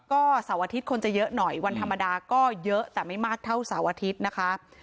ก็เสาร์อาทิตย์คนจะเยอะหน่อยวันธรรมดาก็เยอะแต่ไม่มากเท่าเสาร์อาทิตย์นะคะ